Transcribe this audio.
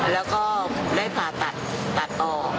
แล้วก็ได้ผ่าตัดต่อ